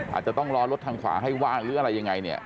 อาจจะต้องรอรถทางขวาให้ว่างหรืออะไรยังไงเนี่ย